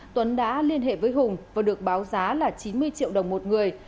tuấn đã liên hệ với hùng và được báo giá là chín mươi triệu đồng một người